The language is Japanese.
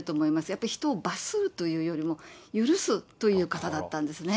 やっぱり人を罰するというよりも、許すという方だったんですね。